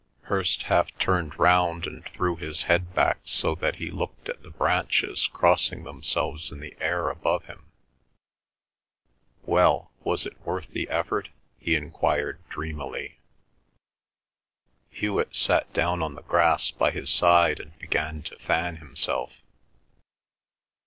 Hirst half turned round and threw his head back so that he looked at the branches crossing themselves in the air above him. "Well, was it worth the effort?" he enquired dreamily. Hewet sat down on the grass by his side and began to fan himself.